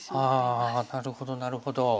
あなるほどなるほど。